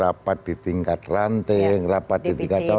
rapat di tingkat ranting rapat di tingkat